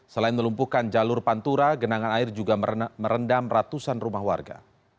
selain melumpuhkan jalur pantura genangan air juga merendam ratusan rumah warga